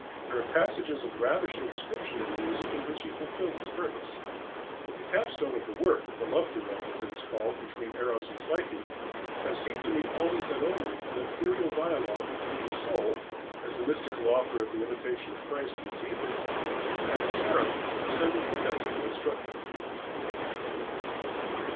There are passages of ravishing description in the music in which he fulfilled his purpose. But the capstone of the work, the love duet, as it is called, between Eros and Psyche, has seemed to me always and only an ethereal dialogue between the soul as the mystical author of 'The Imitation of Christ' conceived it and a seraph descended from heaven to instruct it."